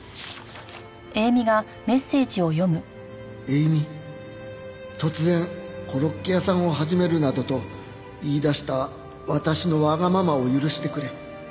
「映見突然コロッケ屋さんを始めるなどと言い出した私のわがままを許してくれ」